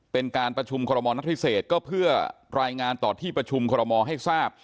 เป็นการประชุมคณะรัฐพิเศษก็เพื่อรายงานต่อที่ประชุมคณะรัฐมนตรีให้ทราบ